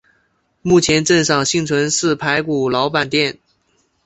目前镇上幸存四排古老板店。